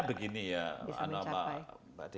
sebetulnya begini ya